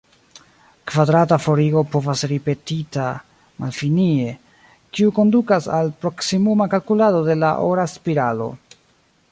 Kvadrata forigo povas ripetita malfinie, kiu kondukas al proksimuma kalkulado de la ora spiralo.